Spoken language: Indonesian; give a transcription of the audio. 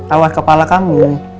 awas kepala kamu